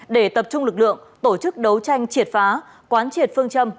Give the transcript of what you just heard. để tập trung lực lượng tổ chức đấu tranh triệt phá quán triệt phương châm